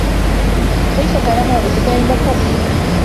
كيف كان موعدك عند الطّبيب؟